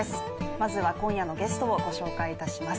まずは今夜のゲストをご紹介いたします。